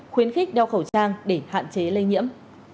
khuyến khích đeo khẩu trang để hạn chế lây nhiễm